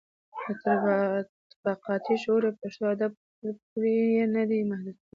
تر طبقاتي شعور او پښتو ادب پورې يې نه دي محدوې کړي.